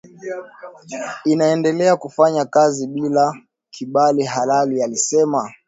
inaendelea kufanya kazi bila kibali halali alisema